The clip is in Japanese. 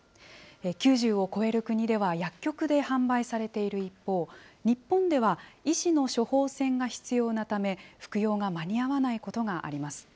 ９０を超える国では薬局で販売されている一方、日本では医師の処方箋が必要なため、服用が間に合わないことがあります。